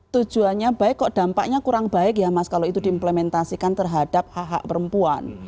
tujuannya baik kok dampaknya kurang baik ya mas kalau itu diimplementasikan terhadap hak hak perempuan